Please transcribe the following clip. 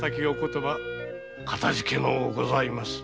かたじけのうございます。